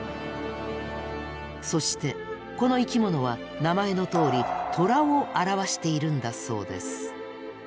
そしてこの生きものは名前のとおりトラを表しているんだそうです。